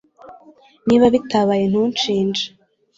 Niba bitabaye ntunshinje